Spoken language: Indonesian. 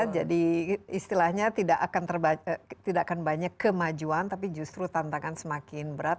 jadi istilahnya tidak akan banyak kemajuan tapi justru tantangan semakin berat